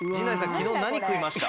昨日何食いました？